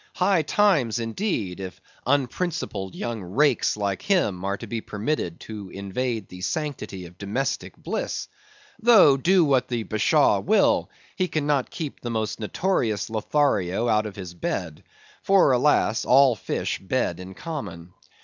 High times, indeed, if unprincipled young rakes like him are to be permitted to invade the sanctity of domestic bliss; though do what the Bashaw will, he cannot keep the most notorious Lothario out of his bed; for, alas! all fish bed in common.